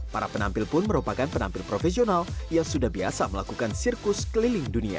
para penampil pun merupakan penampil profesional yang sudah biasa melakukan sirkus keliling dunia